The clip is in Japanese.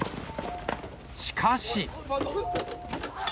しかし。